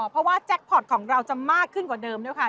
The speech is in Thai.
เพราะว่าแจ็คพอร์ตของเราจะมากขึ้นกว่าเดิมด้วยค่ะ